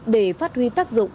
để phát huy tác dụng